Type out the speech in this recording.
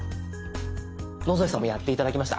野添さんもやって頂きました。